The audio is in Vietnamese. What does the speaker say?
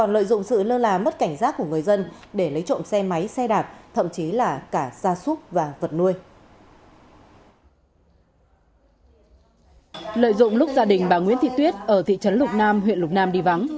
lợi dụng lúc gia đình bà nguyễn thị tuyết ở thị trấn lục nam huyện lục nam đi vắng